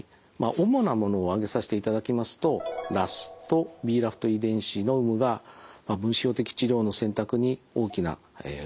主なものを挙げさせていただきますとＲＡＳとＢＲＡＦという遺伝子の有無が分子標的治療の選択に大きな分け目になっています。